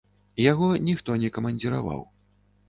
Яго ніхто не камандзіраваў.